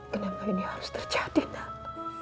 kenapa ini harus terjadi nak